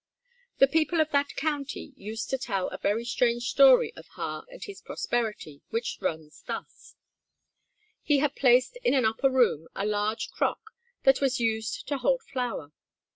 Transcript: The people of that county used to tell a very strange story of Ha and his prosperity, which runs thus: He had placed in an upper room a large crock that was used to hold flour.